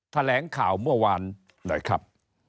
แถลงข่าวเมื่อวานหน่อยครับ